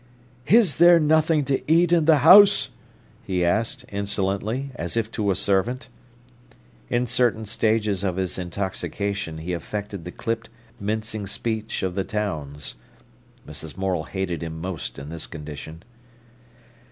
"Is there nothing to eat in the house?" he asked, insolently, as if to a servant. In certain stages of his intoxication he affected the clipped, mincing speech of the towns. Mrs. Morel hated him most in this condition.